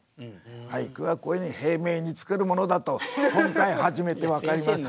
俳句はこういうふうに平明に作るものだと今回初めて分かりました。